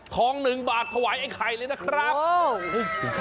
ทองหนึ่งบาทถวายไอ้ไข่เลยนะครับ